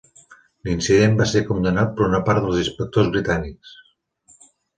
L'incident va ser condemnat per una part dels inspectors britànics.